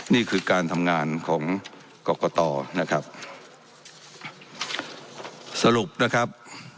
นี่คือการทำงานของกรกตนะครับสรุปนะครับ